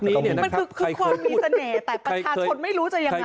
มันคือความมีเสน่ห์แต่ประชาชนไม่รู้จะยังไง